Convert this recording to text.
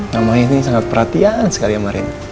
mamahnya ini sangat perhatian sekali sama reina